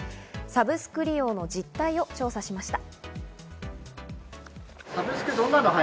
サブスク利用の実態を調査しました。